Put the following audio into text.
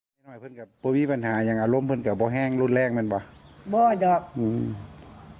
เพื่อนกับปุ๊บีปัญหายังอารมณ์เพื่อนกับบ่แห้งรุ่นแรกมันป่ะบ่ดอกอืม